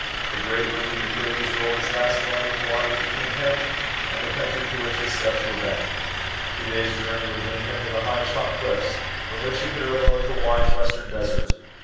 The great river Euphrates rolled its vast volume of watery between him, and the country to which his steps were bent. TW<J days' journey would bring him to the high chalky cliffs, from which he could overlook the * wide western desert.